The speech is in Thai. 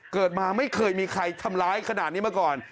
เกิดมาไม่เคยมีใครทำร้ายขนาดนี้มาก่อน